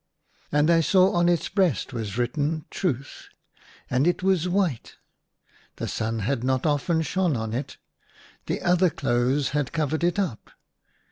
And I saw on its breast was written Truth ; and it was white ; the sun had not often shone on it ; the other clothes had covered it up.